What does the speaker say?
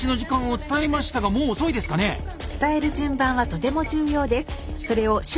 伝える順番はとても重要です。